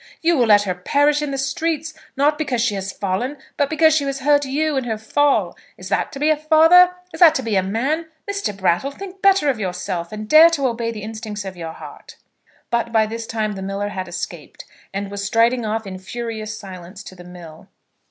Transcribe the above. You will let her perish in the streets, not because she has fallen, but because she has hurt you in her fall! Is that to be a father? Is that to be a man? Mr. Brattle, think better of yourself, and dare to obey the instincts of your heart." But by this time the miller had escaped, and was striding off in furious silence to the mill.